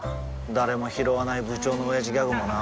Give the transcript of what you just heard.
誰もひろわない部長のオヤジギャグもな